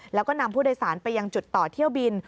แล้วก็นำผู้โดยสารไปยังจุดต่อเที่ยวบิน